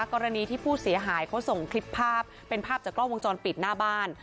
กรณีที่ผู้เสียหายเขาส่งคลิปภาพเป็นภาพจากกล้องวงจรปิดหน้าบ้าน